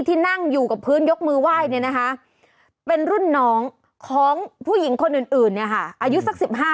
ที่นั่งอยู่กับพื้นยกมือไหว้นี่นะคะ